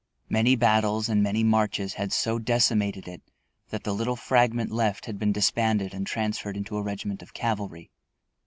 Many battles and many marches had so decimated it that the little fragment left had been disbanded and transferred into a regiment of cavalry.